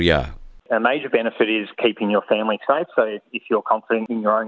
dan menemukan keamanan yang sangat penting